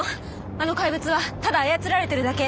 あの怪物はただ操られてるだけ。